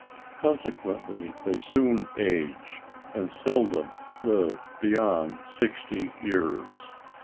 Consequently they soon age, and seldom live beyond sixty years.